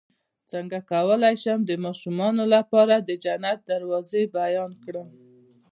څنګه کولی شم د ماشومانو لپاره د جنت دروازې بیان کړم